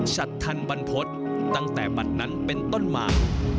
ชัดทันบรรพฤษตั้งแต่บัตรนั้นเป็นต้นมา